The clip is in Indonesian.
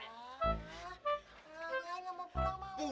eh tih lo jangan bengong aja